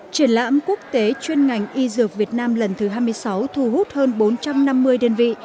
triển lãm quốc tế chuyên ngành y dược việt nam lần thứ hai mươi sáu thu hút hơn bốn trăm năm mươi đơn vị